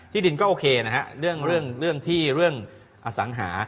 ที่ดินก็โอเคนะครับเรื่องที่เรื่องสังหา